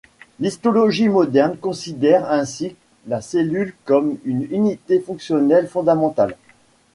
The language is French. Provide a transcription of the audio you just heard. L'histologie moderne considère ainsi la cellule comme une unité fonctionnelle fondamentale.